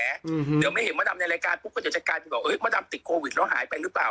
เดี๋ยวไม่เห็นมดดำในรายการพวกเขาจะจัดการบอกเอ๊ะมดดำติดโควิดแล้วหายไปหรือเปล่า